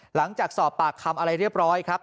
หลังจากสอบปากคำอะไรเรียบร้อยครับ